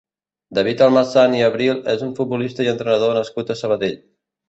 David Almazán i Abril és un futbolista i entrenador nascut a Sabadell.